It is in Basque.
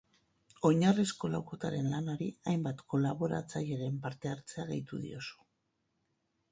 Oinarrizko laukotearen lanari hainbat kolaboratzaileren parte-hartzea gehitu diozu.